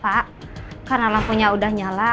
pak karena lampunya udah nyala